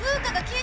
え？